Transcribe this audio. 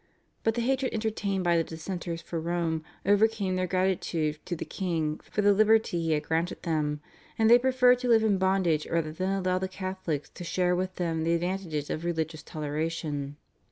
But the hatred entertained by the Dissenters for Rome overcame their gratitude to the king for the liberty he had granted them, and they preferred to live in bondage rather than allow the Catholics to share with them the advantages of religious toleration.